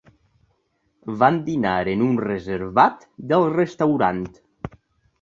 Van dinar en un reservat del restaurant.